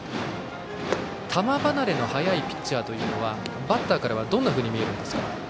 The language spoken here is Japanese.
球離れが早いピッチャーはバッターからはどんなふうに見えるんですか？